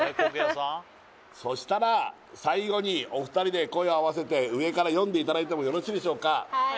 そしたら最後にお二人で声を合わせて上から読んでいただいてもよろしいでしょうか？